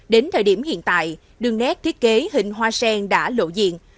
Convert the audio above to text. đến thời điểm hiện tại đường nét thiết kế hình hoa sen đã lộ diện